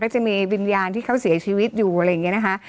จะมีวิญญาณที่เขาเสียชีวิตอยู่อะไรอย่างนี้นะคะ